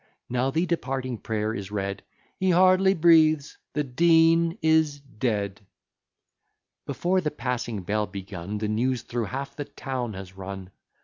Now the departing prayer is read; "He hardly breathes." "The Dean is dead." Before the Passing bell begun, The news thro' half the town has run.